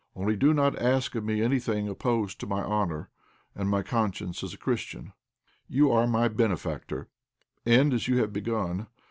Only do not ask of me anything opposed to my honour and my conscience as a Christian. You are my benefactor; end as you have begun.